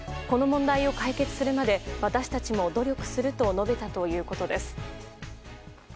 この問題を解決するまで私たちも努力すると述べたということです。